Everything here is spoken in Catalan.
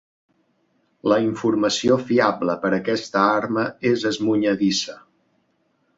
La informació fiable per a aquesta arma és esmunyedissa.